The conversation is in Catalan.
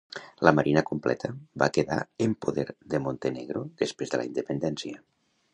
La marina completa va quedar en poder de Montenegro després de la independència.